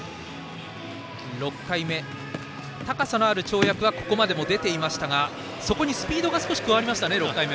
城山正太郎の６回目高さのある跳躍はここまでは出ていましたがそこにスピードが６回目は少し加わりましたね。